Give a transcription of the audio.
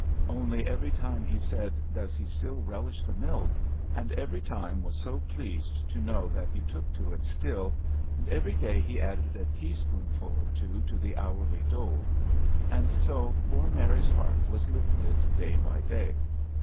Only every time he said, "Does he still relish the milk?" and every time was so pleased to know that he took to it still, and every day he added a teaspoonful or two to the hourly dole, and so poor Mary's heart was lifted day by day.